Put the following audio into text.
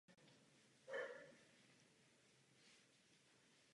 Dnes obvykle ukazuje množství peněz potřebných k uskutečnění směny daného statku.